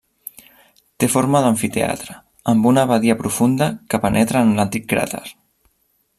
Té forma d'amfiteatre amb una badia profunda que penetra en l'antic cràter.